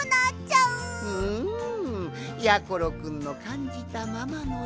うんやころくんのかんじたままのえ